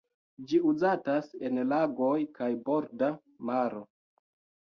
Ĝi uzatas en lagoj kaj borda maro.